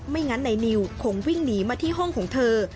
งั้นนายนิวคงวิ่งหนีมาที่ห้องของเธอ